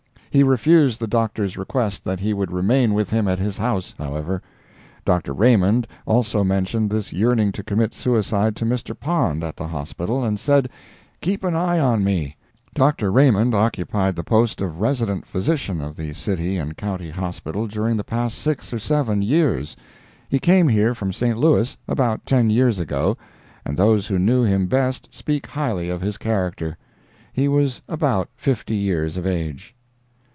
He refused the Doctor's request that he would remain with him at his house, however. Dr. Raymond also mentioned this yearning to commit suicide to Mr. Pond, at the Hospital, and said, "Keep an eye on me." Dr. Raymond occupied the post of Resident Physician of the City and County Hospital during the past six or seven years; he came here from St. Louis, about ten years ago, and those who knew him best speak highly of his character. He was about fifty years of age.